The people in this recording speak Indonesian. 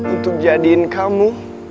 untuk jadiin kamu